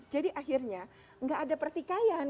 jadi akhirnya nggak ada pertikaian